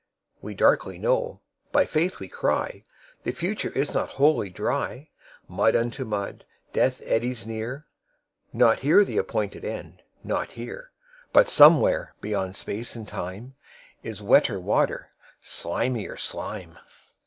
13We darkly know, by Faith we cry,14The future is not Wholly Dry.15Mud unto mud! Death eddies near 16Not here the appointed End, not here!17But somewhere, beyond Space and Time.18Is wetter water, slimier slime!